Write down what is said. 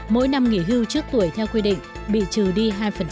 mỗi năm nghỉ hưu trước tuổi theo quy định bị trừ đi hai